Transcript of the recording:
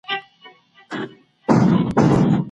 ښه ژوند یوازي با استعداده کسانو ته نه سي سپارل کېدلای.